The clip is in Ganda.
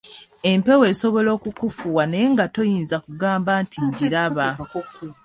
Empewo esobola okukufuuwa naye nga toyinza gamba nti ngiraba.